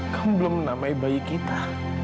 kamu belum menamai bayi kita